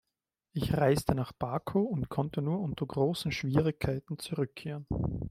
Ich reiste nach Baku und konnte nur unter großen Schwierigkeiten zurückkehren.